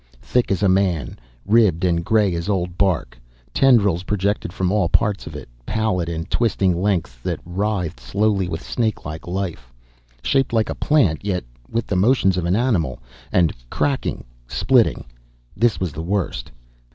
Thick as a man, ribbed and gray as old bark. Tendrils projected from all parts of it, pallid and twisting lengths that writhed slowly with snakelike life. Shaped like a plant, yet with the motions of an animal. And cracking, splitting. This was the worst.